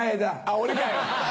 俺かよ！